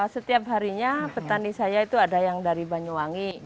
setiap harinya petani saya itu ada yang dari banyuwangi